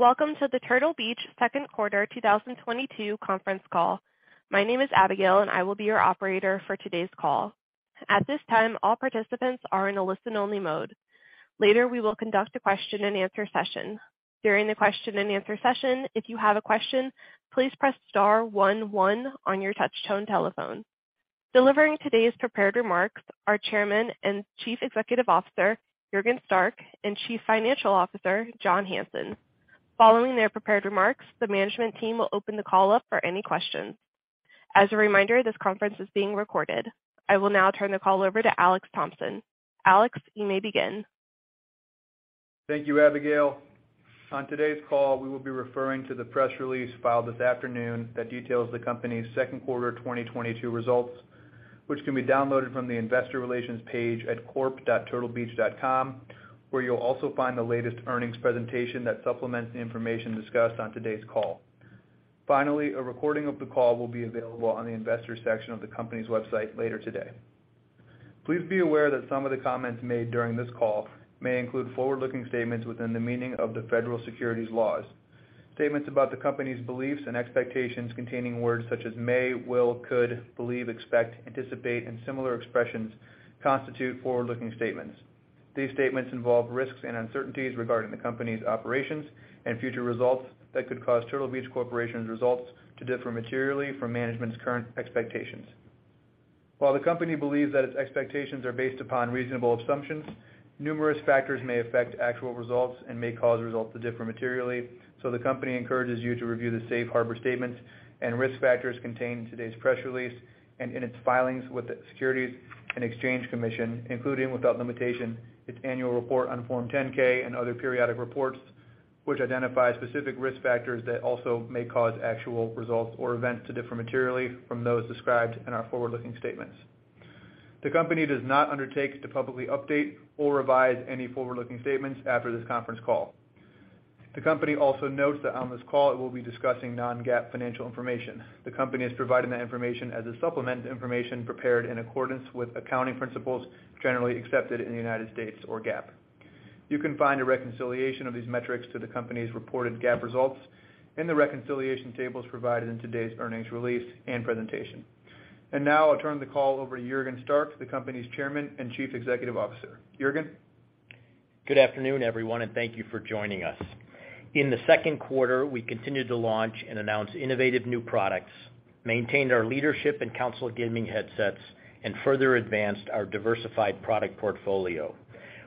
Welcome to the Turtle Beach Q2 2022 Conference Call. My name is Abigail, and I will be your operator for today's call. At this time, all participants are in a listen-only mode. Later, we will conduct a question-and-answer session. During the question-and-answer session, if you have a question, please press star one one on your touchtone telephone. Delivering today's prepared remarks are Chairman and Chief Executive Officer, Juergen Stark, and Chief Financial Officer, John Hanson. Following their prepared remarks, the management team will open the call up for any questions. As a reminder, this conference is being recorded. I will now turn the call over to Alex Thompson. Alex, you may begin. Thank you, Abigail. On today's call, we will be referring to the press release filed this afternoon that details the company's Q2 2022 results, which can be downloaded from the investor relations page at corp.turtlebeach.com, where you'll also find the latest earnings presentation that supplements the information discussed on today's call. Finally, a recording of the call will be available on the investors section of the company's website later today. Please be aware that some of the comments made during this call may include forward-looking statements within the meaning of the federal securities laws. Statements about the company's beliefs and expectations containing words such as may, will, could, believe, expect, anticipate, and similar expressions constitute forward-looking statements. These statements involve risks and uncertainties regarding the company's operations and future results that could cause Turtle Beach Corporation's results to differ materially from management's current expectations. While the company believes that its expectations are based upon reasonable assumptions, numerous factors may affect actual results and may cause results to differ materially, so the company encourages you to review the safe harbor statements and risk factors contained in today's press release and in its filings with the Securities and Exchange Commission, including, without limitation, its annual report on Form 10-K and other periodic reports, which identify specific risk factors that also may cause actual results or events to differ materially from those described in our forward-looking statements. The company does not undertake to publicly update or revise any forward-looking statements after this Conference Call. The company also notes that on this call, it will be discussing non-GAAP financial information. The company has provided that information as a supplement to information prepared in accordance with accounting principles generally accepted in the United States or GAAP. You can find a reconciliation of these metrics to the company's reported GAAP results in the reconciliation tables provided in today's earnings release and presentation. Now I'll turn the call over to Juergen Stark, the company's Chairman and Chief Executive Officer. Juergen. Good afternoon, everyone, and thank you for joining us. In the Q2, we continued to launch and announce innovative new products, maintained our leadership in console gaming headsets, and further advanced our diversified product portfolio.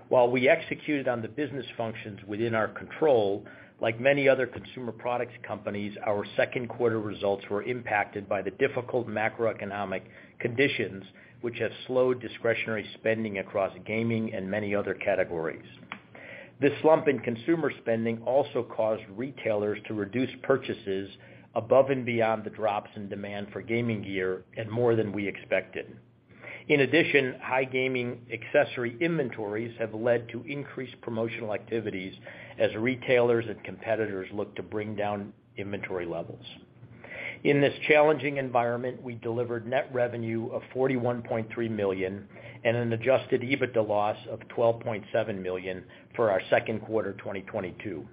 While we executed on the business functions within our control, like many other consumer products companies, our Q2 results were impacted by the difficult macroeconomic conditions, which have slowed discretionary spending across gaming and many other categories. This slump in consumer spending also caused retailers to reduce purchases above and beyond the drops in demand for gaming gear and more than we expected. In addition, high gaming accessory inventories have led to increased promotional activities as retailers and competitors look to bring down inventory levels. In this challenging environment, we delivered net revenue of $41.3 million and an adjusted EBITDA loss of $12.7 million for our Q2 2022.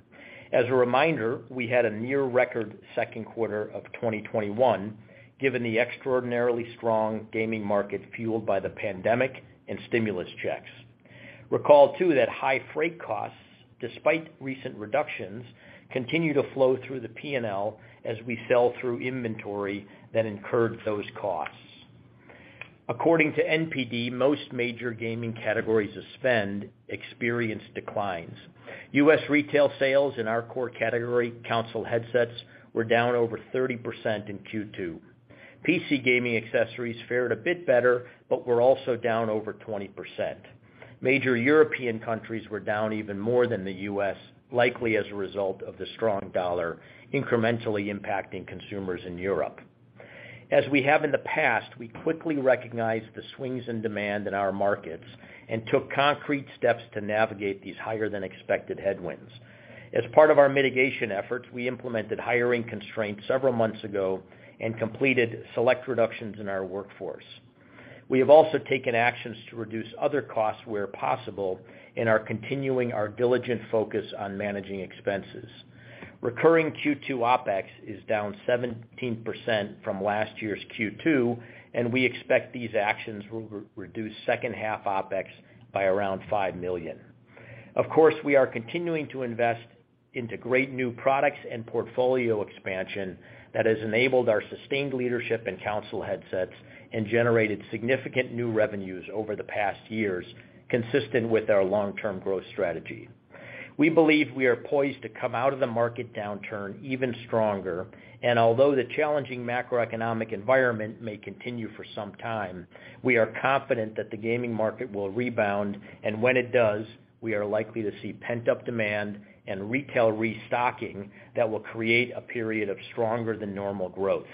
As a reminder, we had a near record Q2 of 2021, given the extraordinarily strong gaming market fueled by the pandemic and stimulus checks. Recall too that high freight costs, despite recent reductions, continue to flow through the P&L as we sell through inventory that incurred those costs. According to NPD, most major gaming categories of spend experienced declines. U.S. retail sales in our core category, console headsets, were down over 30% in Q2. PC gaming accessories fared a bit better but were also down over 20%. Major European countries were down even more than the U.S., likely as a result of the strong dollar incrementally impacting consumers in Europe. As we have in the past, we quickly recognized the swings in demand in our markets and took concrete steps to navigate these higher-than-expected headwinds. As part of our mitigation efforts, we implemented hiring constraints several months ago and completed select reductions in our workforce. We have also taken actions to reduce other costs where possible and are continuing our diligent focus on managing expenses. Recurring Q2 OpEx is down 17% from last year's Q2, and we expect these actions will reduce second-half OpEx by around $5 million. Of course, we are continuing to invest into great new products and portfolio expansion that has enabled our sustained leadership in console headsets and generated significant new revenues over the past years, consistent with our long-term growth strategy. We believe we are poised to come out of the market downturn even stronger. Although the challenging macroeconomic environment may continue for some time, we are confident that the gaming market will rebound. When it does, we are likely to see pent-up demand and retail restocking that will create a period of stronger than normal growth.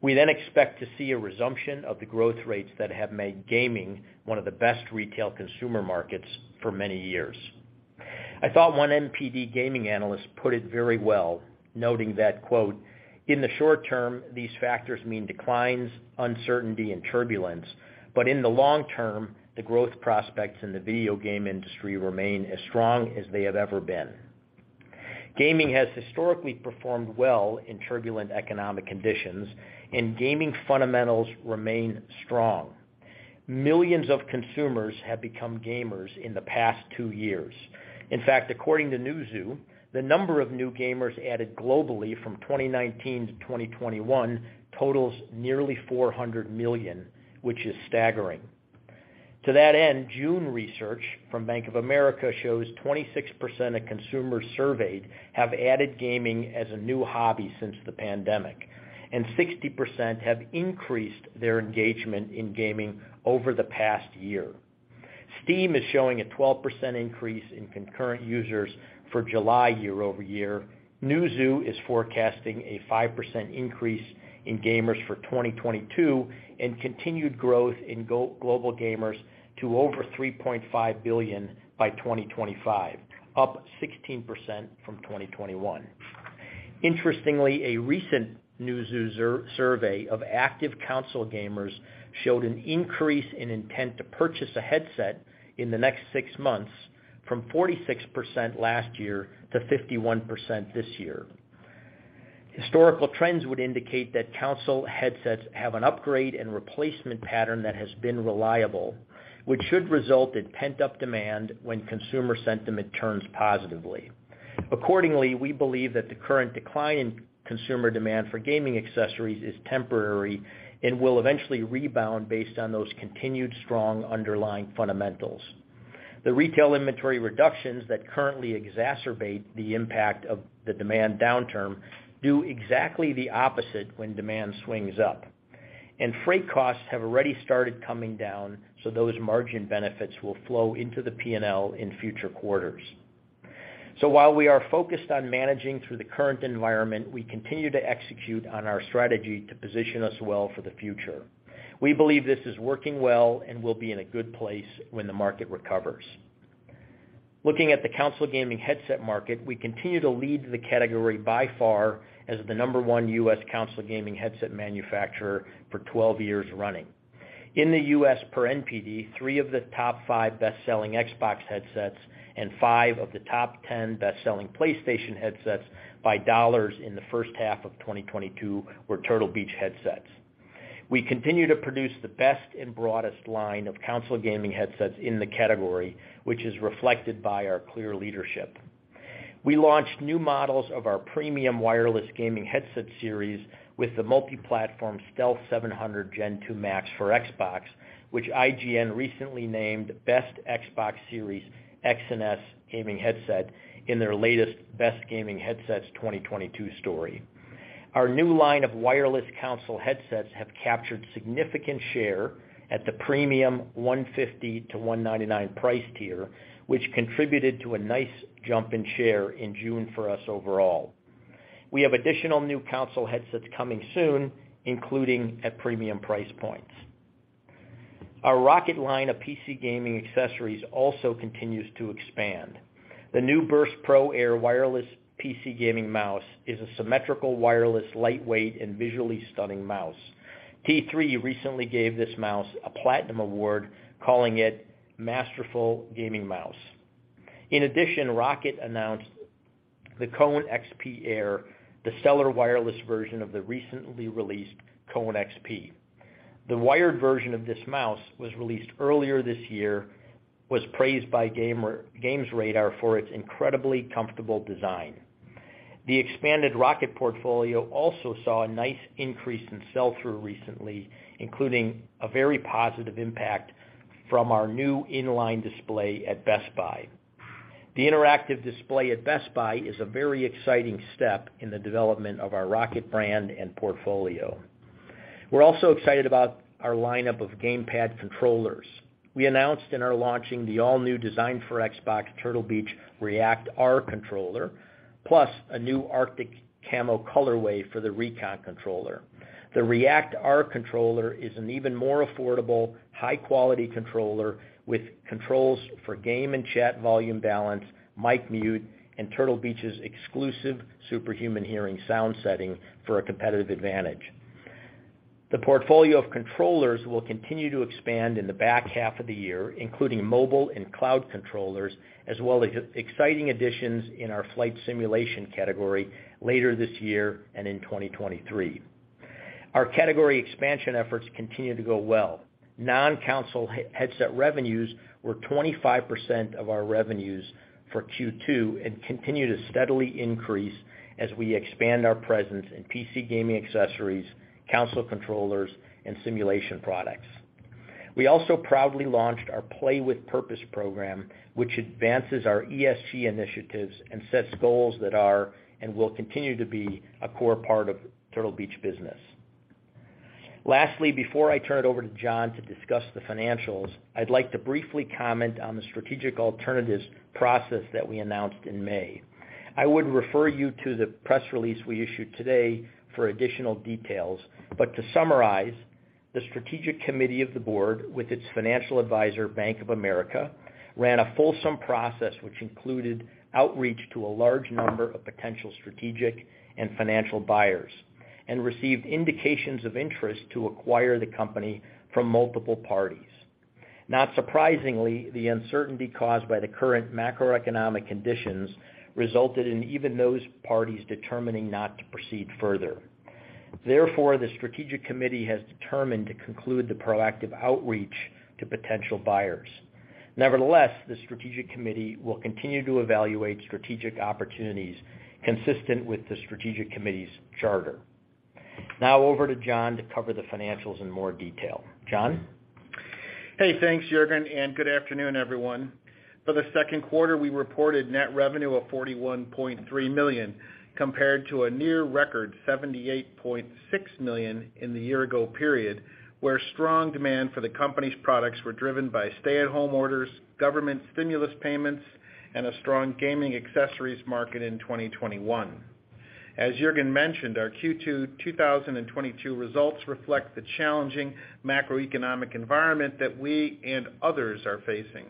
We expect to see a resumption of the growth rates that have made gaming one of the best retail consumer markets for many years. I thought one NPD gaming analyst put it very well, noting that, quote, "In the short term, these factors mean declines, uncertainty, and turbulence, but in the long term, the growth prospects in the video game industry remain as strong as they have ever been." Gaming has historically performed well in turbulent economic conditions, and gaming fundamentals remain strong. Millions of consumers have become gamers in the past two years. In fact, according to Newzoo, the number of new gamers added globally from 2019 to 2021 totals nearly 400 million, which is staggering. To that end, June research from Bank of America shows 26% of consumers surveyed have added gaming as a new hobby since the pandemic, and 60% have increased their engagement in gaming over the past year. Steam is showing a 12% increase in concurrent users for July year-over-year. Newzoo is forecasting a 5% increase in gamers for 2022 and continued growth in go-global gamers to over 3.5 billion by 2025, up 16% from 2021. Interestingly, a recent Newzoo survey of active console gamers showed an increase in intent to purchase a headset in the next six months from 46% last year to 51% this year. Historical trends would indicate that console headsets have an upgrade and replacement pattern that has been reliable, which should result in pent-up demand when consumer sentiment turns positively. Accordingly, we believe that the current decline in consumer demand for gaming accessories is temporary and will eventually rebound based on those continued strong underlying fundamentals. The retail inventory reductions that currently exacerbate the impact of the demand downturn do exactly the opposite when demand swings up. Freight costs have already started coming down, so those margin benefits will flow into the P&L in future quarters. While we are focused on managing through the current environment, we continue to execute on our strategy to position us well for the future. We believe this is working well and will be in a good place when the market recovers. Looking at the console gaming headset market, we continue to lead the category by far as the number one U.S. console gaming headset manufacturer for 12 years running. In the U.S., per NPD, three of the top five best-selling Xbox headsets and five of the top 10 best-selling PlayStation headsets by dollars in the first half of 2022 were Turtle Beach headsets. We continue to produce the best and broadest line of console gaming headsets in the category, which is reflected by our clear leadership. We launched new models of our premium wireless gaming headset series with the multi-platform Stealth 700 Gen 2 MAX for Xbox, which IGN recently named Best Xbox Series X|S Gaming Headset in their latest Best Gaming Headsets 2022 story. Our new line of wireless console headsets have captured significant share at the premium $150-$199 price tier, which contributed to a nice jump in share in June for us overall. We have additional new console headsets coming soon, including at premium price points. Our ROCCAT line of PC gaming accessories also continues to expand. The new Burst Pro Air wireless PC gaming mouse is a symmetrical, wireless, lightweight, and visually stunning mouse. T3 recently gave this mouse a Platinum Award, calling it Masterful Gaming Mouse. In addition, ROCCAT announced the Kone XP Air, the Stellar Wireless version of the recently released Kone XP. The wired version of this mouse was released earlier this year, was praised by GamesRadar+ for its incredibly comfortable design. The expanded ROCCAT portfolio also saw a nice increase in sell-through recently, including a very positive impact from our new in-line display at Best Buy. The interactive display at Best Buy is a very exciting step in the development of our ROCCAT brand and portfolio. We're also excited about our lineup of Gamepad controllers. We announced and are launching the all-new design for Xbox Turtle Beach React-R Controller, plus a new Arctic Camo colorway for the Recon Controller. The React-R Controller is an even more affordable, high-quality controller with controls for game and chat volume balance, mic mute, and Turtle Beach's exclusive Superhuman Hearing sound setting for a competitive advantage. The portfolio of controllers will continue to expand in the back half of the year, including mobile and cloud controllers, as well as exciting additions in our flight simulation category later this year and in 2023. Our category expansion efforts continue to go well. Non-console headset revenues were 25% of our revenues for Q2 and continue to steadily increase as we expand our presence in PC gaming accessories, console controllers, and simulation products. We also proudly launched our Play with Purpose program, which advances our ESG initiatives and sets goals that are and will continue to be a core part of Turtle Beach business. Lastly, before I turn it over to John to discuss the financials, I'd like to briefly comment on the strategic alternatives process that we announced in May. I would refer you to the press release we issued today for additional details. To summarize, the strategic committee of the board, with its financial advisor, Bank of America, ran a fulsome process, which included outreach to a large number of potential strategic and financial buyers, and received indications of interest to acquire the company from multiple parties. Not surprisingly, the uncertainty caused by the current macroeconomic conditions resulted in even those parties determining not to proceed further. Therefore, the strategic committee has determined to conclude the proactive outreach to potential buyers. Nevertheless, the strategic committee will continue to evaluate strategic opportunities consistent with the strategic committee's charter. Now over to John to cover the financials in more detail. John? Hey, thanks, Juergen, and good afternoon, everyone. For the Q2, we reported net revenue of $41.3 million compared to a near record $78.6 million in the year-ago period, where strong demand for the company's products were driven by stay-at-home orders, government stimulus payments, and a strong gaming accessories market in 2021. As Juergen mentioned, our Q2 2022 results reflect the challenging macroeconomic environment that we and others are facing.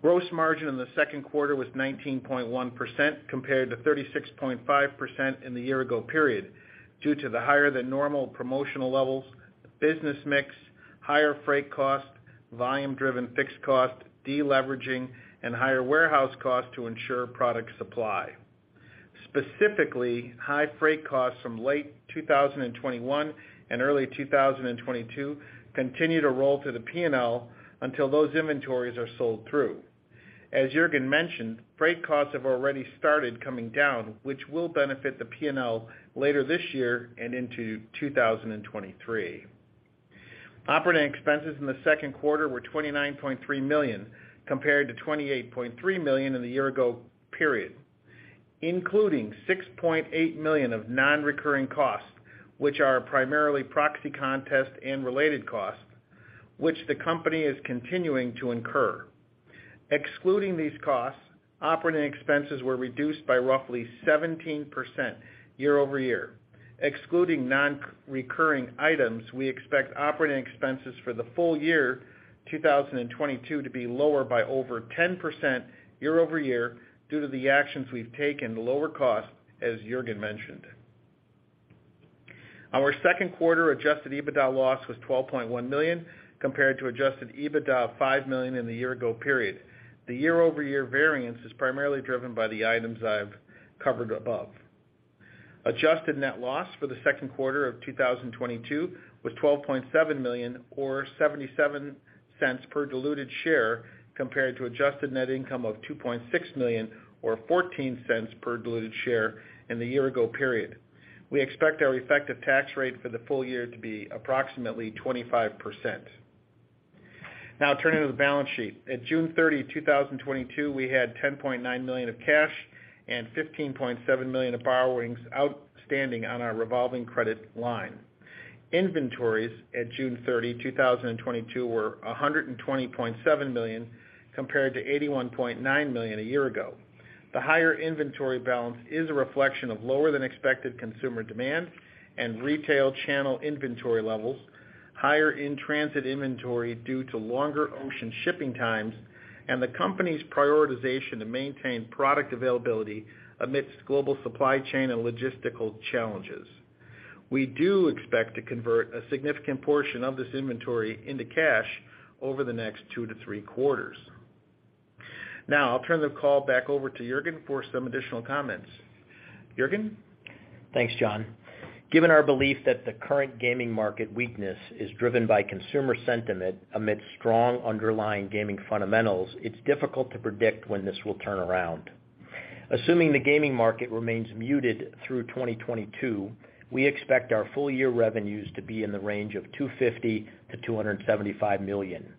Gross margin in the Q2 was 19.1% compared to 36.5% in the year-ago period due to the higher than normal promotional levels, business mix, higher freight costs, volume-driven fixed costs, deleveraging, and higher warehouse costs to ensure product supply. Specifically, high freight costs from late 2021 and early 2022 continue to roll to the P&L until those inventories are sold through. As Juergen mentioned, freight costs have already started coming down, which will benefit the P&L later this year and into 2023. Operating expenses in the Q2 were $29.3 million compared to $28.3 million in the year ago period, including $6.8 million of non-recurring costs, which are primarily proxy contest and related costs, which the company is continuing to incur. Excluding these costs, operating expenses were reduced by roughly 17% year over year. Excluding non-recurring items, we expect operating expenses for the full year 2022 to be lower by over 10% year over year due to the actions we've taken to lower costs, as Juergen mentioned. Our Q2 adjusted EBITDA loss was $12.1 million compared to adjusted EBITDA of $5 million in the year ago period. The year-over-year variance is primarily driven by the items I've covered above. Adjusted net loss for the Q2 of 2022 was $12.7 million or $0.77 per diluted share compared to adjusted net income of $2.6 million or $0.14 per diluted share in the year ago period. We expect our effective tax rate for the full year to be approximately 25%. Now turning to the balance sheet. At June 30, 2022, we had $10.9 million of cash and $15.7 million of borrowings outstanding on our revolving credit line. Inventories at June 30, 2022 were $120.7 million compared to $81.9 million a year ago. The higher inventory balance is a reflection of lower than expected consumer demand and retail channel inventory levels, higher in-transit inventory due to longer ocean shipping times, and the company's prioritization to maintain product availability amidst global supply chain and logistical challenges. We do expect to convert a significant portion of this inventory into cash over the next two to three quarters. Now I'll turn the call back over to Juergen for some additional comments. Juergen? Thanks, John. Given our belief that the current gaming market weakness is driven by consumer sentiment amidst strong underlying gaming fundamentals, it's difficult to predict when this will turn around. Assuming the gaming market remains muted through 2022, we expect our full year revenues to be in the range of $250 million-$275 million.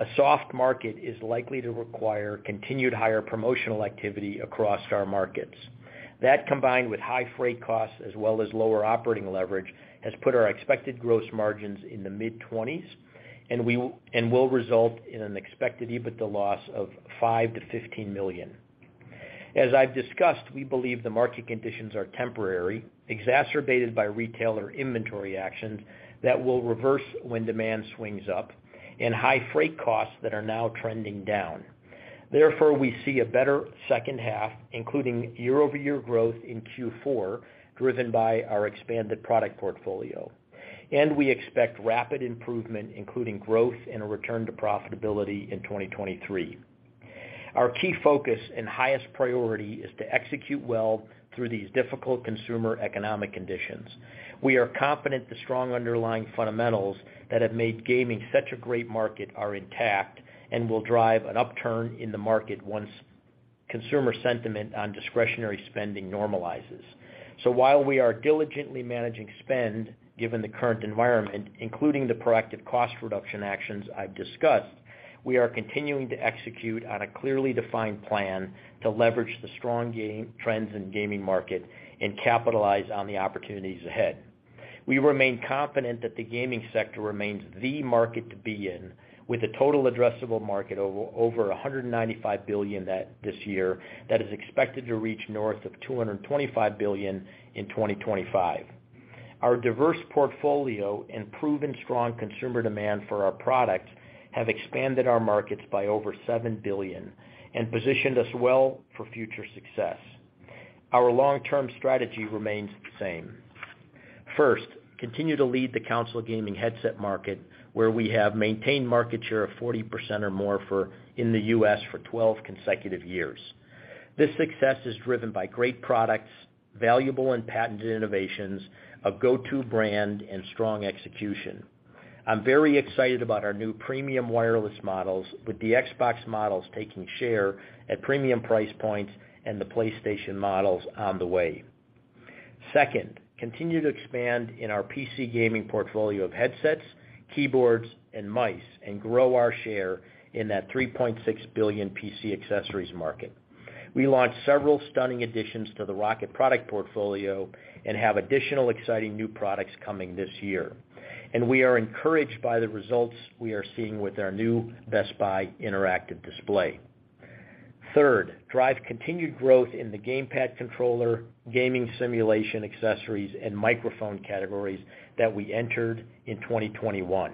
A soft market is likely to require continued higher promotional activity across our markets. That combined with high freight costs as well as lower operating leverage has put our expected gross margins in the mid-20s% and will result in an expected EBITDA loss of $5-$15 million. As I've discussed, we believe the market conditions are temporary, exacerbated by retailer inventory actions that will reverse when demand swings up and high freight costs that are now trending down. Therefore, we see a better second half, including year-over-year growth in Q4, driven by our expanded product portfolio. We expect rapid improvement, including growth and a return to profitability in 2023. Our key focus and highest priority is to execute well through these difficult consumer economic conditions. We are confident the strong underlying fundamentals that have made gaming such a great market are intact and will drive an upturn in the market once consumer sentiment on discretionary spending normalizes. While we are diligently managing spend, given the current environment, including the proactive cost reduction actions I've discussed, we are continuing to execute on a clearly defined plan to leverage the strong gaming trends in the gaming market and capitalize on the opportunities ahead. We remain confident that the gaming sector remains the market to be in, with a total addressable market of over $195 billion this year that is expected to reach north of $225 billion in 2025. Our diverse portfolio and proven strong consumer demand for our products have expanded our markets by over $7 billion and positioned us well for future success. Our long-term strategy remains the same. First, continue to lead the console gaming headset market, where we have maintained market share of 40% or more in the US for 12 consecutive years. This success is driven by great products, valuable and patented innovations, a go-to brand, and strong execution. I'm very excited about our new premium wireless models, with the Xbox models taking share at premium price points and the PlayStation models on the way. Second, continue to expand in our PC gaming portfolio of headsets, keyboards, and mice, and grow our share in that $3.6 billion PC accessories market. We launched several stunning additions to the ROCCAT product portfolio and have additional exciting new products coming this year, and we are encouraged by the results we are seeing with our new Best Buy interactive display. Third, drive continued growth in the gamepad controller, gaming simulation accessories, and microphone categories that we entered in 2021.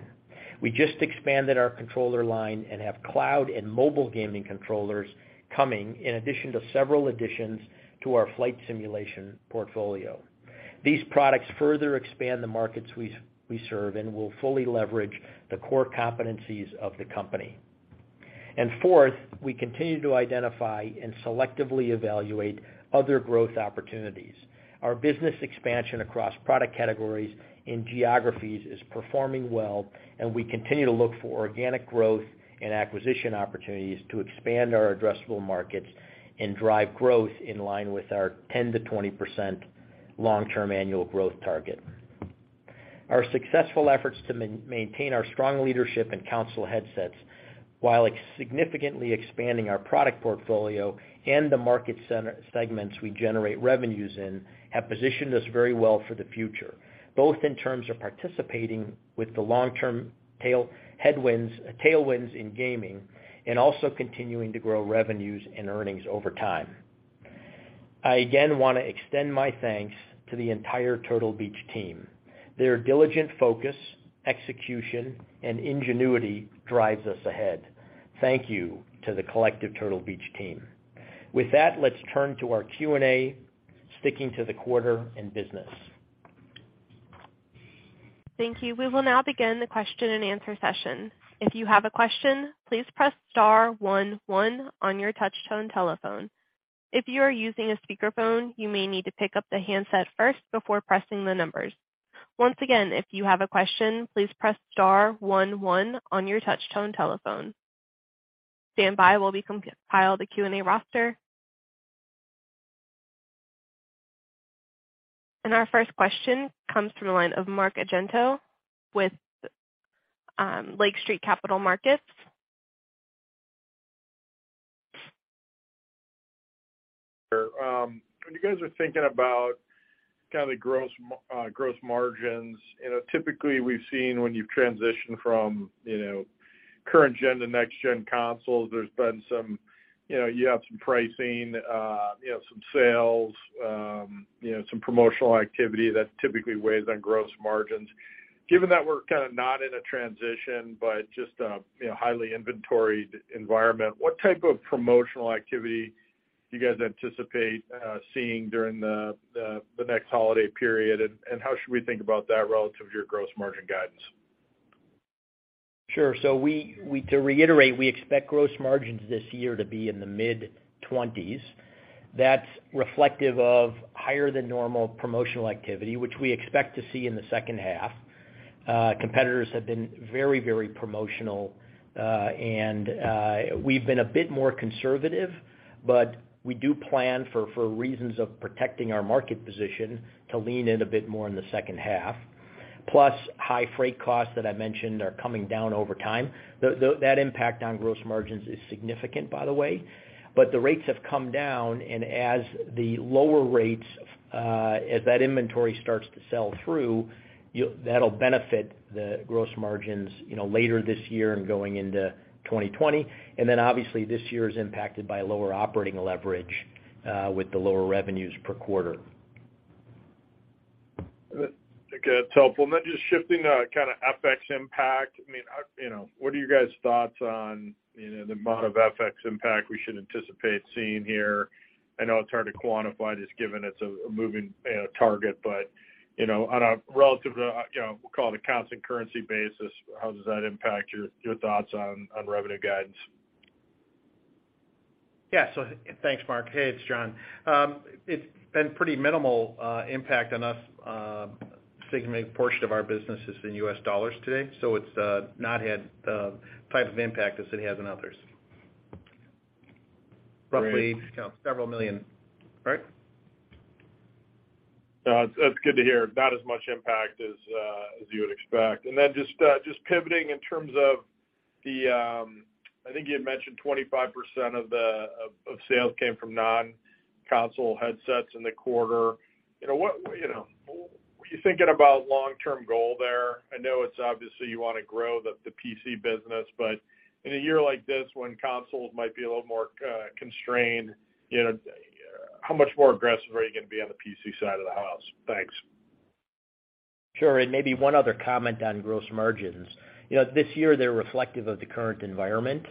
We just expanded our controller line and have cloud and mobile gaming controllers coming in addition to several additions to our flight simulation portfolio. These products further expand the markets we serve and will fully leverage the core competencies of the company. Fourth, we continue to identify and selectively evaluate other growth opportunities. Our business expansion across product categories and geographies is performing well, and we continue to look for organic growth and acquisition opportunities to expand our addressable markets and drive growth in line with our 10%-20% long-term annual growth target. Our successful efforts to maintain our strong leadership in console headsets while significantly expanding our product portfolio and the market segments we generate revenues in have positioned us very well for the future. Both in terms of participating with the long-term tailwinds in gaming and also continuing to grow revenues and earnings over time. I again wanna extend my thanks to the entire Turtle Beach team. Their diligent focus, execution, and ingenuity drives us ahead. Thank you to the collective Turtle Beach team. With that, let's turn to our Q&A, sticking to the quarter and business. Thank you. We will now begin the question-and-answer session. If you have a question, please press star one one on your touchtone telephone. If you are using a speakerphone, you may need to pick up the handset first before pressing the numbers. Once again, if you have a question, please press star one one on your touchtone telephone. Stand by while we compile the Q&A roster. Our first question comes from the line of Mark Argento with Lake Street Capital Markets. Sure. When you guys are thinking about kinda gross margins, you know, typically we've seen when you've transitioned from, you know, current gen to next gen consoles, there's been some, you know, you have some pricing, you have some sales, you know, some promotional activity that typically weighs on gross margins. Given that we're kinda not in a transition, but just a, you know, highly inventoried environment, what type of promotional activity do you guys anticipate seeing during the next holiday period? And how should we think about that relative to your gross margin guidance? Sure. To reiterate, we expect gross margins this year to be in the mid-20s%. That's reflective of higher than normal promotional activity, which we expect to see in the second half. Competitors have been very, very promotional, and we've been a bit more conservative, but we do plan for reasons of protecting our market position to lean in a bit more in the second half. Plus, high freight costs that I mentioned are coming down over time. That impact on gross margins is significant, by the way, but the rates have come down, and as the lower rates as that inventory starts to sell through, that'll benefit the gross margins, you know, later this year and going into 2020. Obviously this year is impacted by lower operating leverage with the lower revenues per quarter. Okay. That's helpful. Just shifting to kinda FX impact. I mean, you know, what are you guys' thoughts on, you know, the amount of FX impact we should anticipate seeing here? I know it's hard to quantify just given it's a moving, you know, target, but, you know, on a relative, you know, we'll call it a constant currency basis, how does that impact your thoughts on revenue guidance? Thanks, Mark. Hey, it's John. It's been pretty minimal impact on us, significant portion of our business is in U.S. dollars today, so it's not had the type of impact as it has on others. Great. Roughly just, you know, $several million. Right? No, that's good to hear. Not as much impact as you would expect. Then just pivoting in terms of the I think you had mentioned 25% of the sales came from non-console headsets in the quarter. You know, what were you thinking about long-term goal there? I know it's obviously you wanna grow the PC business, but in a year like this when consoles might be a little more constrained, you know, how much more aggressive are you gonna be on the PC side of the house? Thanks. Sure. Maybe one other comment on gross margins. You know, this year they're reflective of the current environment.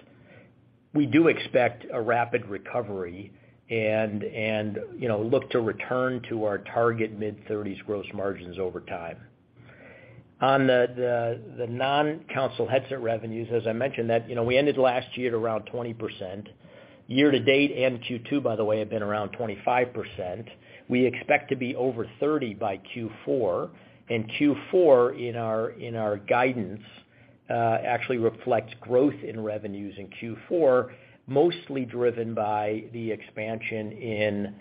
We do expect a rapid recovery and, you know, look to return to our target mid-30s gross margins over time. On the non-console headset revenues, as I mentioned, you know, we ended last year at around 20%. Year to date and Q2, by the way, have been around 25%. We expect to be over 30% by Q4, and Q4 in our guidance actually reflects growth in revenues in Q4, mostly driven by the expansion in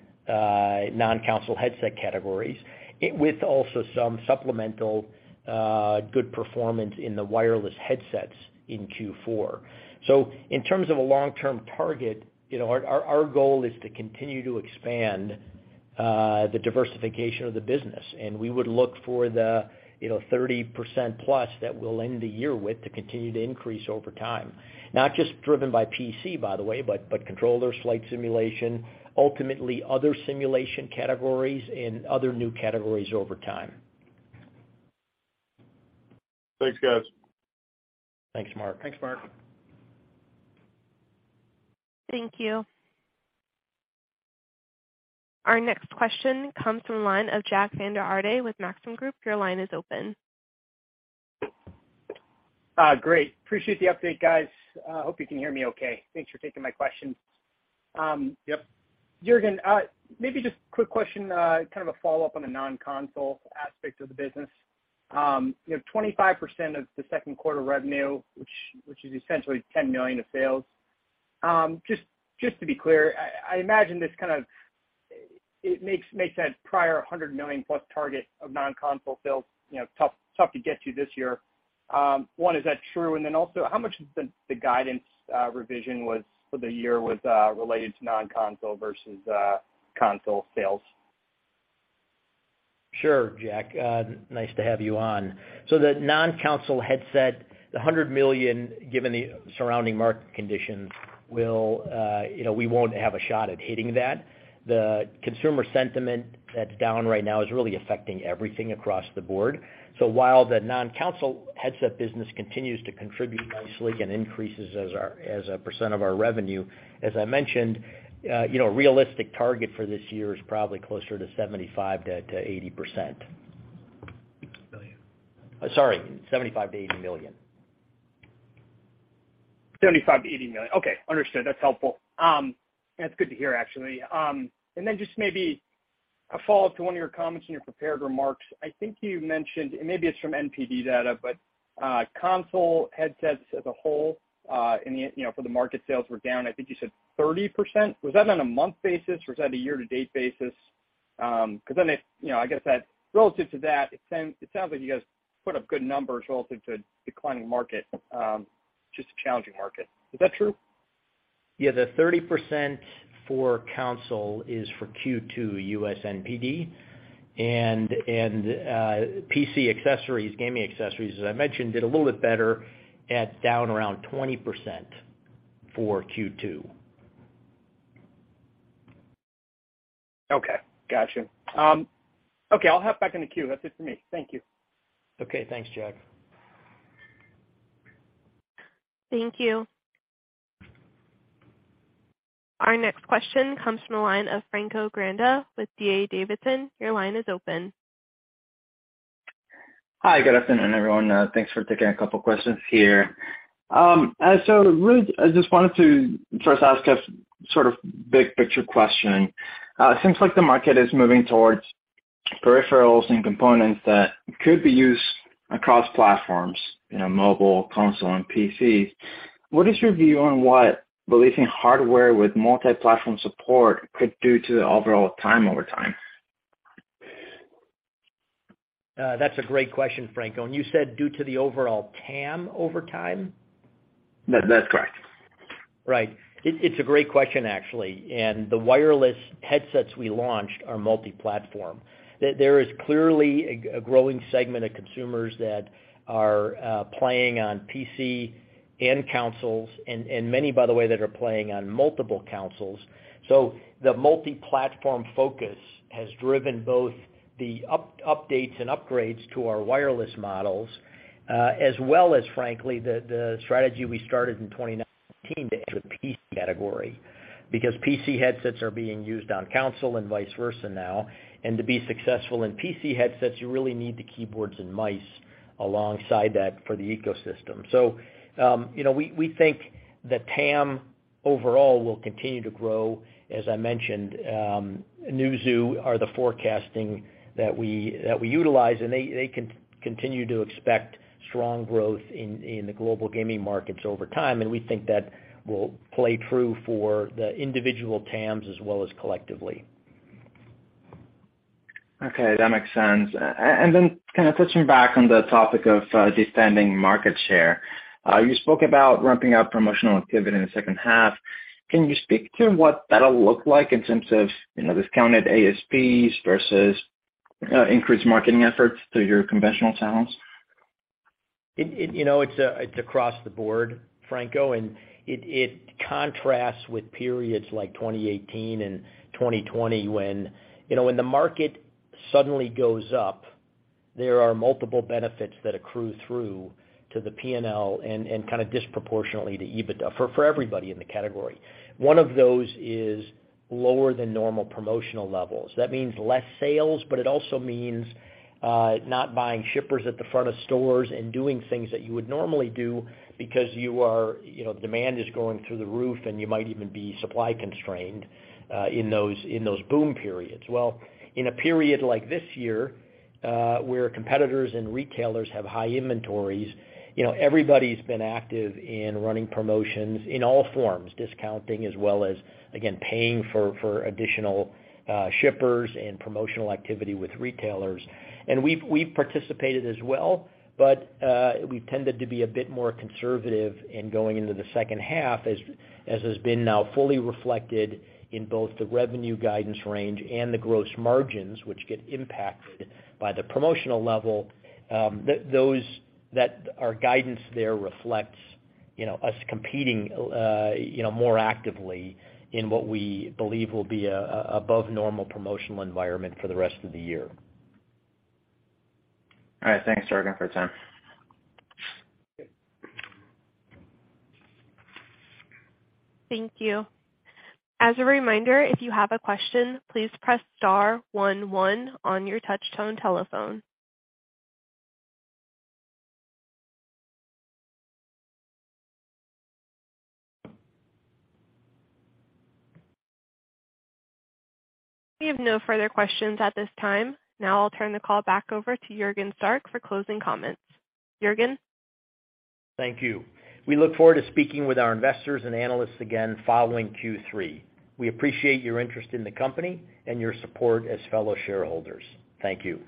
non-console headset categories, along with some supplementary good performance in the wireless headsets in Q4. In terms of a long-term target, you know, our goal is to continue to expand the diversification of the business, and we would look for the, you know, 30% plus that we'll end the year with to continue to increase over time. Not just driven by PC, by the way, but controllers, flight simulation, ultimately other simulation categories and other new categories over time. Thanks, guys. Thanks, Mark. Thanks, Mark. Thank you. Our next question comes from the line of Jack Vander Aarde with Maxim Group. Your line is open. Great. Appreciate the update, guys. Hope you can hear me okay. Thanks for taking my questions. Yep. Juergen, maybe just quick question, kind of a follow-up on the non-console aspect of the business. You know, 25% of the Q2 revenue, which is essentially $10 million of sales. Just to be clear, I imagine it makes that prior $100 million plus target of non-console sales, you know, tough to get to this year. One, is that true? Then also, how much of the guidance revision was for the year related to non-console versus console sales? Sure, Jack. Nice to have you on. The non-console headset, the $100 million, given the surrounding market conditions, we won't have a shot at hitting that. The consumer sentiment that's down right now is really affecting everything across the board. While the non-console headset business continues to contribute nicely and increases as a percent of our revenue, as I mentioned, realistic target for this year is probably closer to 75%-80%. Million. Sorry, $75 million-$80 million. $75 million-$80 million. Okay. Understood. That's helpful. That's good to hear, actually. Then just maybe a follow-up to one of your comments in your prepared remarks. I think you mentioned, and maybe it's from NPD data, but console headsets as a whole, in the, you know, for the market sales were down, I think you said 30%. Was that on a month basis, or is that a year to date basis? 'Cause then it, you know, I guess that relative to that, it sounds like you guys put up good numbers relative to declining market, just a challenging market. Is that true? Yeah. The 30% for console is for Q2 U.S. NPD. PC accessories, gaming accessories, as I mentioned, did a little bit better at down around 20% for Q2. Okay. Gotcha. Okay, I'll hop back in the queue. That's it for me. Thank you. Okay. Thanks, Jack. Thank you. Our next question comes from the line of Franco Granda with D.A. Davidson. Your line is open. Hi. Good afternoon, everyone. Thanks for taking a couple questions here. Really, I just wanted to first ask a sort of big picture question. It seems like the market is moving towards peripherals and components that could be used across platforms, you know, mobile, console, and PC. What is your view on what releasing hardware with multi-platform support could do to the overall TAM over time? That's a great question, Franco. You said due to the overall TAM over time? That's correct. It's a great question, actually. The wireless headsets we launched are multi-platform. There is clearly a growing segment of consumers that are playing on PC and consoles and many, by the way, that are playing on multiple consoles. The multi-platform focus has driven both the updates and upgrades to our wireless models, as well as frankly, the strategy we started in 2019 to enter the PC category. Because PC headsets are being used on console and vice versa now, and to be successful in PC headsets, you really need the keyboards and mice alongside that for the ecosystem. You know, we think the TAM overall will continue to grow. As I mentioned, Newzoo is the forecaster that we utilize, and they continue to expect strong growth in the global gaming markets over time. We think that will play true for the individual TAMs as well as collectively. Okay, that makes sense. Kind of touching back on the topic of defending market share. You spoke about ramping up promotional activity in the second half. Can you speak to what that'll look like in terms of, you know, discounted ASPs versus increased marketing efforts through your conventional channels? It, you know, it's across the board, Franco, and it contrasts with periods like 2018 and 2020 when, you know, when the market suddenly goes up. There are multiple benefits that accrue through to the P&L and kind of disproportionately to EBITDA for everybody in the category. One of those is lower than normal promotional levels. That means less sales, but it also means not buying shippers at the front of stores and doing things that you would normally do because you are, you know, demand is going through the roof, and you might even be supply constrained in those boom periods. Well, in a period like this year, where competitors and retailers have high inventories, you know, everybody's been active in running promotions in all forms, discounting as well as, again, paying for additional shippers and promotional activity with retailers. We've participated as well, but we've tended to be a bit more conservative in going into the second half as has been now fully reflected in both the revenue guidance range and the gross margins, which get impacted by the promotional level, those that are guidance there reflects, you know, us competing, you know, more actively in what we believe will be a above normal promotional environment for the rest of the year. All right. Thanks, Juergen, for the time. Thank you. As a reminder, if you have a question, please press star one one on your touchtone telephone. We have no further questions at this time. Now I'll turn the call back over to Juergen Stark for closing comments. Juergen. Thank you. We look forward to speaking with our investors and analysts again following Q3. We appreciate your interest in the company and your support as fellow shareholders. Thank you.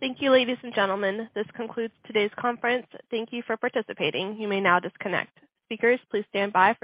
Thank you, ladies and gentlemen. This concludes today's conference. Thank you for participating. You may now disconnect. Speakers, please stand by.